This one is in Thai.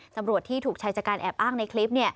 ตำรวจที่ถูกชายจัดการแอบอ้างในคลิป